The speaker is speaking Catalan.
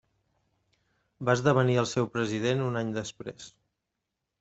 Va esdevenir el seu president un any després.